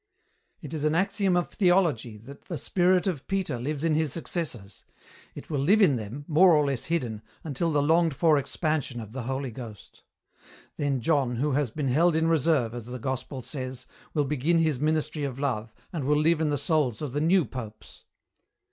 "It is an axiom of theology that the spirit of Peter lives in his successors. It will live in them, more or less hidden, until the longed for expansion of the Holy Ghost. Then John, who has been held in reserve, as the Gospel says, will begin his ministry of love and will live in the souls of the new popes."